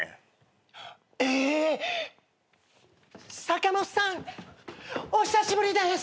坂本さん！お久しぶりです。